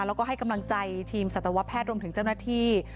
แล้วก็ให้กำลังใจทีมสัตวแพทย์รวมถึงเจ้าหน้าที่